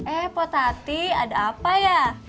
eh po tati ada apa ya